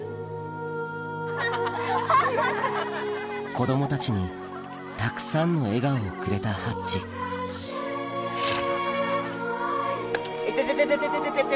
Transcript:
子供たちにたくさんの笑顔をくれたハッチ痛ててててて！